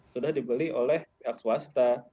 sudah dibeli oleh pihak swasta